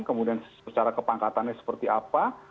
kemudian secara kepangkatannya seperti apa